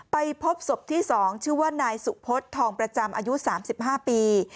ไปพบศพที่๒ชื่อว่านายสุพศทองประจำอายุ๓๕ปี